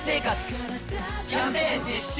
キャンペーン実施中！